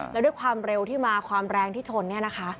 แล้วด้วยความเร็วที่มาความแรงที่ชน